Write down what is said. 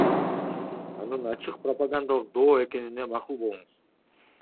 Анын ачык пропагандалык доо экенине макул болуңуз.